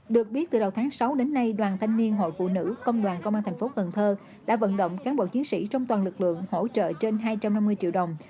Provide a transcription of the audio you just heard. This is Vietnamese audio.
được biết từ đầu tháng sáu đến nay đoàn thanh niên hội phụ nữ công đoàn công an thành phố cần thơ đã vận động cán bộ chiến sĩ trong toàn lực lượng hỗ trợ trên hai trăm năm mươi triệu đồng